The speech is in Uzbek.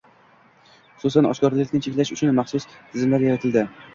Hususan, oshkoralikni cheklash uchun maxsus tizimlar yaratildi